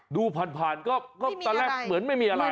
ดูผ่านก็ตอนแรกเหมือนไม่มีอะไร